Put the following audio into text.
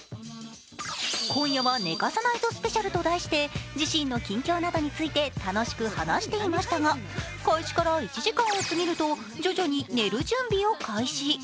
「今夜は寝かさないぞＳＰ」と題して自身の近況などについて楽しく話していましたが開始から１時間をすぎると徐々に寝る準備を開始。